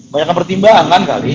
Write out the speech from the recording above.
banyak pertimbangan kali